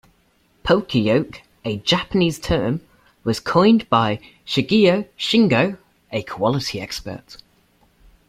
"Poka-yoke", a Japanese term, was coined by Shigeo Shingo, a quality expert.